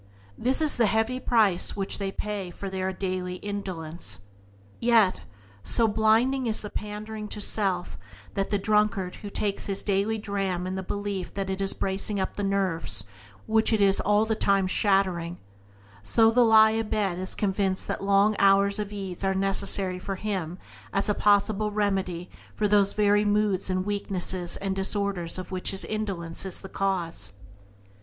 This is the heavy price which they have to pay for their daily indulgence. Yet, so blinding is the pandering to self that, like the drunkard who takes his daily dram in the belief that it is bracing up the nerves which it is all the time shattering, so the lie a bed is convinced that long hours of ease are necessary for him as a possible remedy for those very moods and weaknesses and disorders of which his indulgence is the cause.